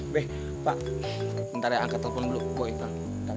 weh pak bentar ya angkat telepon dulu gue iklan